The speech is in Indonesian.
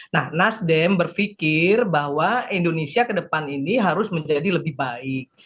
nah nasdem berpikir bahwa indonesia ke depan ini harus menjadi lebih baik